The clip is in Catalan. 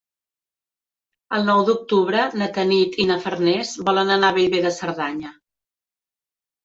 El nou d'octubre na Tanit i na Farners volen anar a Bellver de Cerdanya.